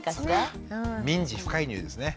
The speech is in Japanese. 民事不介入ですね。